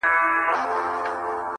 په خــــنــدا كيــسـه شـــــروع كړه’